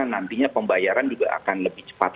nantinya pembayaran juga akan lebih cepat